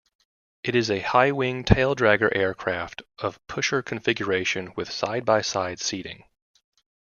It is a high-wing taildragger aircraft of pusher configuration with side-by-side seating.